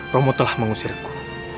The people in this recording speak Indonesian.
romo telah mengusirku